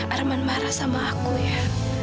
arman marah sama aku ya